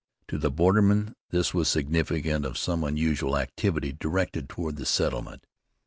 To the bordermen this was significant of some unusual activity directed toward the settlement.